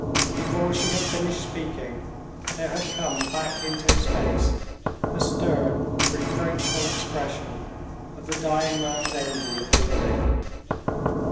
Before she had finished speaking, there had come back into his face the stern, reproachful expression of the dying man's envy of the living.